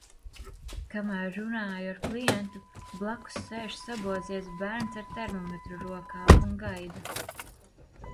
Kamēr runāju ar klientu, blakus sēž sabozies bērns ar termometru rokā un gaida.